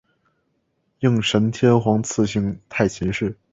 应神天皇赐姓太秦氏。